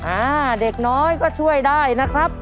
อ่าเด็กน้อยก็ช่วยได้นะครับ